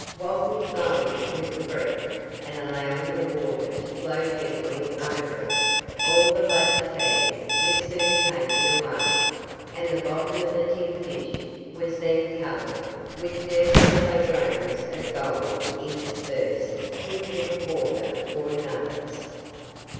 What with blowing with the breath, and allowing the water to flow gently over it, all the black sand was soon taken away, and the bottom of the tin dish was then covered with dirty yellow grains of gold interspersed with little water worn nuggets.